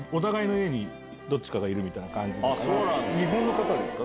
日本の方ですか？